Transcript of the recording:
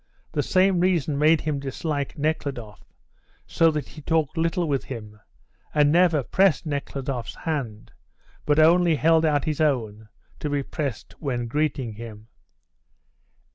The same reason made him dislike Nekhludoff, so that he talked little with him, and never pressed Nekhludoff's hand, but only held out his own to be pressed when greeting him.